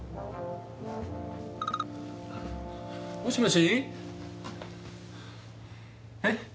もしもし？え？